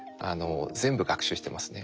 全部学習してますね。